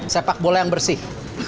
sepakbola yang bersih